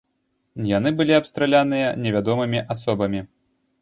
Яны былі абстраляныя невядомымі асобамі.